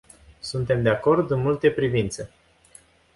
Suntem de acord în multe privințe.